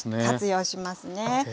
活用しますね。